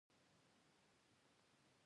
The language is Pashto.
ځغاسته د ذهن تازه ساتلو لاره ده